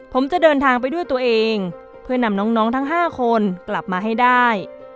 ผมจะเดินทางไปด้วยตัวเองเพื่อนำน้องทั้ง๕คนกลับมาให้ได้